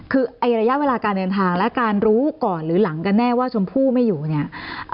คือระยะเวลาการเดินทางและการรู้ก่อนหรือหลังกันแน่ว่าชมพู่ไม่อยู่เนี่ย